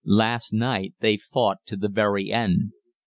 Last night they fought to the very end.